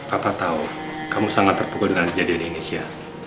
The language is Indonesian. apa tau kamu sangat tertuguh dengan jadian ini sia